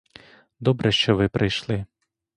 Добре, що ви прийшли!